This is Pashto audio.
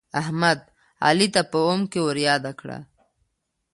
احمد، علي ته په اوم کې ورياده کړه.